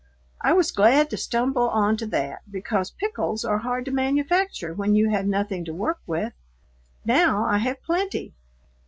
I was glad to stumble on to that, because pickles are hard to manufacture when you have nothing to work with. Now I have plenty.